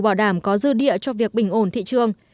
bảo đảm có dư địa cho việc bình ổn thị trường